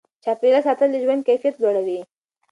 چاپیریال ساتل د ژوند کیفیت لوړوي.